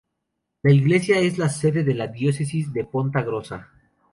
La iglesia es la sede de la diócesis de Ponta Grossa.